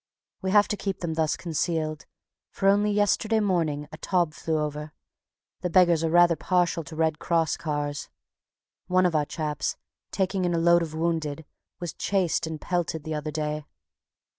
We have to keep them thus concealed, for only yesterday morning a Taube flew over. The beggars are rather partial to Red Cross cars. One of our chaps, taking in a load of wounded, was chased and pelted the other day.